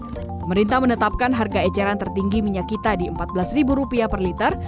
pemerintah menetapkan harga eceran tertinggi minyak kita di rp empat belas per liter